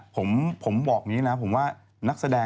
พี่ชอบแซงไหลทางอะเนาะ